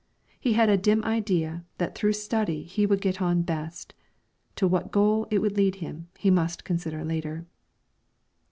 He had a dim idea that through study he would get on best; to what goal it would lead he must consider later.